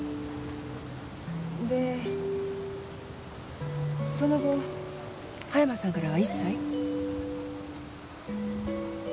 でその後葉山さんからは一切？